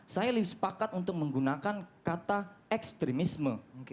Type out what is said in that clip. saya lebih sepakat untuk menggunakan kata ekstremisme